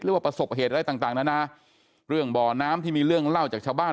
ประสบเหตุอะไรต่างต่างนานาเรื่องบ่อน้ำที่มีเรื่องเล่าจากชาวบ้าน